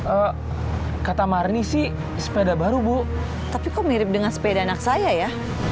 oh kata marni sih sepeda baru bu tapi kok mirip dengan sepeda anak saya ya